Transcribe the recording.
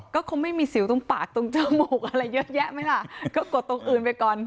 ก็คงไม่มีสิวตรงปากตรงจมูกอะไรเยอะแยะไหมล่ะก็กดตรงอื่นไปก่อน